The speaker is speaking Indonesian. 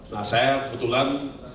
nah saya kebetulan